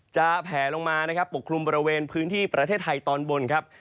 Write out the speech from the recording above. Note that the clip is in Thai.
แผลลงมานะครับปกคลุมบริเวณพื้นที่ประเทศไทยตอนบนครับ